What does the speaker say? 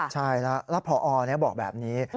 ใช่แล้วแล้วพอบอกแบบนี้